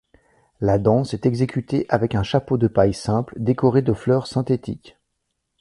La danse est exécutée avec un chapeau de paille simple, décoré de fleurs synthétiques.